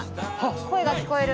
声が聞こえる。